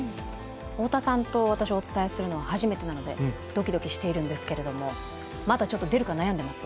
太田さんと私、お伝えするのは初めてなのでドキドキしているんですが、まだ出るか悩んでいます。